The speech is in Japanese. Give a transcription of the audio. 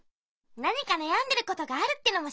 なにかなやんでることがあるってのもしってるよ。